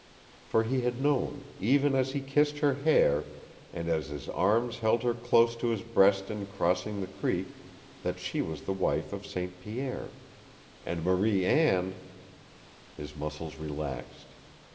For he had known, even as he kissed her hair, and as his arms held her close to his breast in crossing the creek, that she was the wife of St. Pierre. And Marie Anne His muscles relaxed.